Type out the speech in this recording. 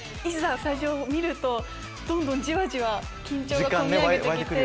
スタジオを見るとどんどんじわじわ緊張が込み上げて来て。